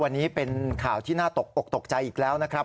วันนี้เป็นข่าวที่น่าตกอกตกใจอีกแล้วนะครับ